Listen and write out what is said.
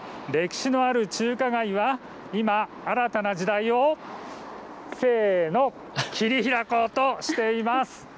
歴史のある中華街は今、新たな時代をせーの、切り開こうとしています。